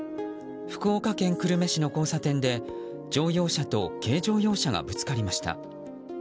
福岡県久留米市の交差点で乗用車と軽乗用車がぶつかりました。